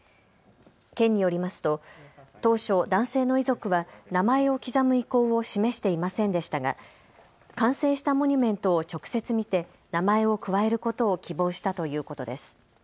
県によりますと当初男性の遺族は名前を刻む意向を示していませんでしたが完成したモニュメントを直接見て名前を加えることを希望したということです。